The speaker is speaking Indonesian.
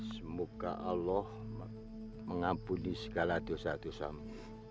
semoga allah mengampuni segala dosa dosamu